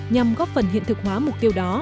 nhằm góp phần hiện thực hóa mục tiêu đó